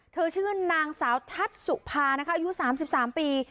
ชื่อนางสาวทัศน์สุภานะคะอายุ๓๓ปี